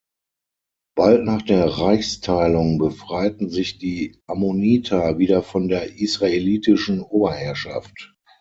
Bald nach der Reichsteilung befreiten sich die Ammoniter wieder von der israelitischen Oberherrschaft.